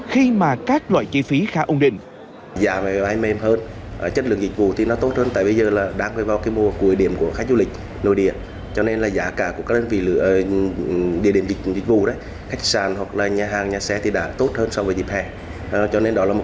khi mà các loại chi phí khá ổn định